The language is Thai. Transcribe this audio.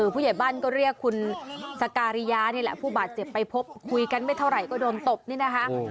ผู้ใหญ่บ้านก็เรียกคุณสการิยานี่แหละผู้บาดเจ็บไปพบคุยกันไม่เท่าไหร่ก็โดนตบนี่นะคะ